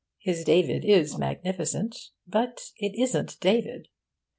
His David is magnificent, but it isn't David.